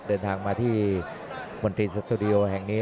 เดินทางมาที่มนตรีสตูดิโอแห่งนี้